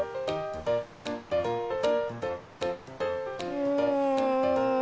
うん。